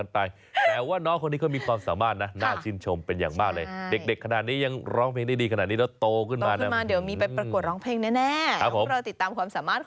ต้องลองเรือมาหารักสัก